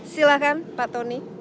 silahkan pak tony